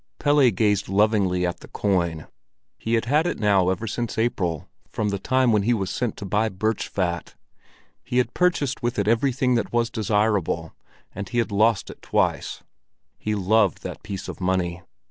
Pelle gazed lovingly at the coin. He had had it now ever since April, from the time when he was sent to buy birch fat. He had purchased with it everything that was desirable, and he had lost it twice: he loved that piece of money.